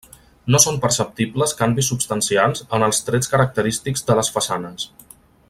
No són perceptibles canvis substancials en els trets característics de les façanes.